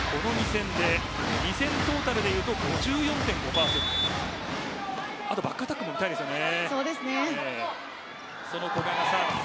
２戦トータルで言うと５４．５％あとはバックアタックも見たいですね。